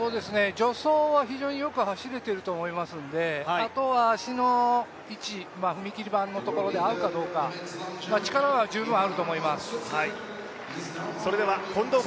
助走はよく走れてると思いますのであとは足の位置、踏切板のところで合うかどうか力は十分あると思います。